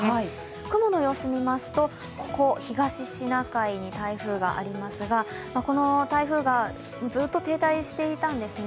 雲の様子見ますと、ここは東シナ海に台風がありますがこの台風がずっと停滞していたんですね。